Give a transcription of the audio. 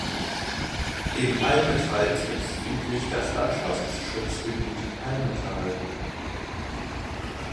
Im Almetal grenzt südlich das Landschaftsschutzgebiet Almetal.